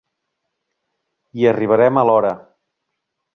Hi arribarem a l'hora.